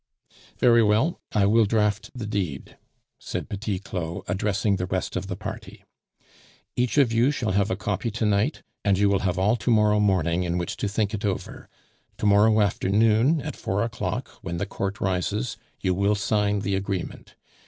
"Very well, I will draft the deed," said Petit Claud, addressing the rest of the party. "Each of you shall have a copy to night, and you will have all to morrow morning in which to think it over. To morrow afternoon at four o'clock, when the court rises, you will sign the agreement.